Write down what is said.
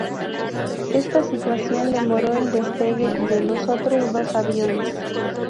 Esta situación demoró el despegue de los otros dos aviones.